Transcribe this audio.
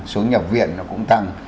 số nhập viện nó cũng tăng